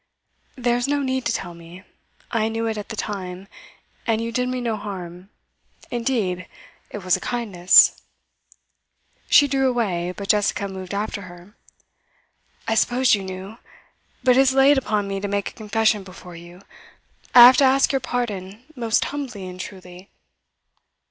'There's no need to tell me. I knew it at the time, and you did me no harm. Indeed, it was a kindness.' She drew away, but Jessica moved after her. 'I supposed you knew. But it is laid upon me to make a confession before you. I have to ask your pardon, most humbly and truly.